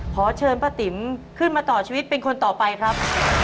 ขอเชิญป้าติ๋มขึ้นมาต่อชีวิตเป็นคนต่อไปครับ